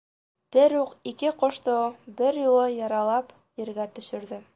Бер уҡ ике ҡошто бер юлы яралап Ергә төшөрҙө.